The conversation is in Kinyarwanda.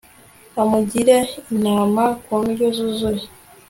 amugire inama ku ndyo yuzuye